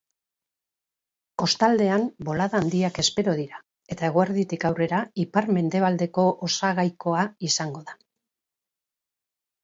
Kostaldean bolada handiak espero dira, eta eguerditik aurrera ipar-mendebaldeko osagaikoa izango da.